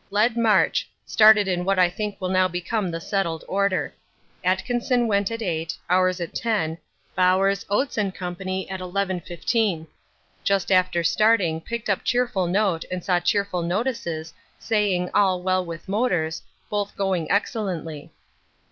Led march started in what I think will now become the settled order. Atkinson went at 8, ours at 10, Bowers, Oates and Co. at 11.15. Just after starting picked up cheerful note and saw cheerful notices saying all well with motors, both going excellently.